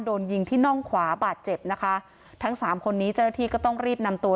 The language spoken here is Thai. โดนยิงที่น่องขวาบาดเจ็บนะคะทั้งสามคนนี้เจ้าหน้าที่ก็ต้องรีบนำตัว